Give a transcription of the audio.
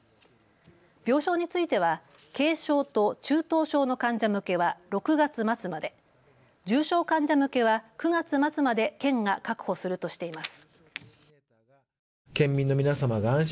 病床については軽症と中等症の患者向けは６月末まで、重症患者向けは９月末まで県が確保するとしています。